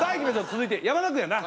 続いて山田くんやな。